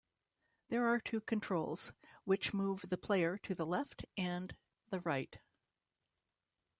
There are two controls, which move the player to the left and the right.